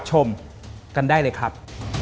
สวัสดีครับ